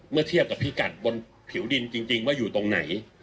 เมื่อเทียบกับพิกัดบนผิวดินจริงว่าอยู่ตรงไหน